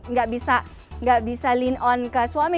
nggak bisa lean on ke suami